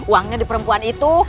uangnya di perempuan itu